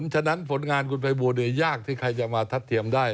ฉะนั้นผลงานคุณภัยบูลยากที่ใครจะมาทัดเทียมได้